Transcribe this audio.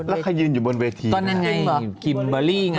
แล้วใครยืนอยู่บนเวทีก็นั่นไงคิมเบอร์รี่ไง